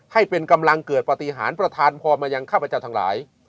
ให้เป็นกำลังเกิดปฏิหารประธานพรมายังข้าพเจ้าทั้งหลาย